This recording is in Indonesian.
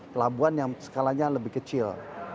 pelabuhan yang skalanya lebih kecil